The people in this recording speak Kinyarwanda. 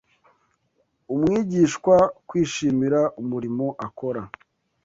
umwigishwa kwishimira umurimo akora